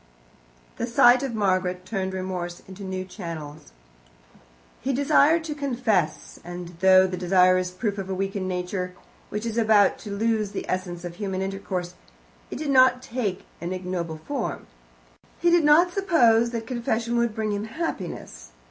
The sight of Margaret turned remorse into new channels. He desired to confess, and though the desire is proof of a weakened nature, which is about to lose the essence of human intercourse, it did not take an ignoble form. He did not suppose that confession would bring him happiness.